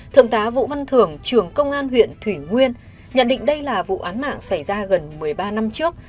thượng tá vũ văn thưởng trưởng công an huyện thủy nguyên nhận định đây là vụ án mạng xảy ra gần một mươi ba năm trước